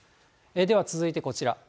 では続いてこちら。